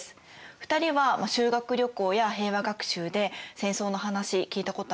２人は修学旅行や平和学習で戦争の話聞いたことある？